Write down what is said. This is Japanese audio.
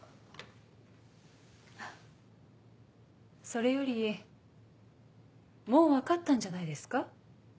それよりもう分かったんじゃないですか？